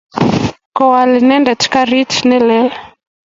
Koal inendet karit ne lel.